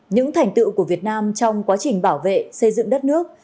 những thành tựu của việt nam trong quá trình bảo vệ xây dựng đất nước